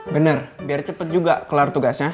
bener biar cepet juga kelar tugasnya